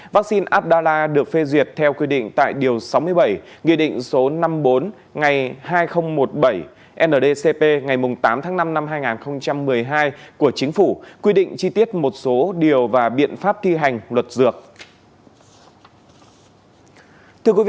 vaccine abdalla được phê duyệt theo quy định tại điều sáu mươi bảy nghị định số năm mươi bốn ngày hai nghìn một mươi bảy ndcp ngày tám tháng năm năm hai nghìn một mươi hai của chính phủ quy định chi tiết một số điều và biện pháp thi hành luật dược